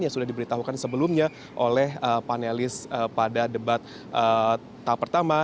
yang sudah diberitahukan sebelumnya oleh panelis pada debat tahap pertama